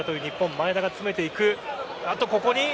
前田が詰めていく。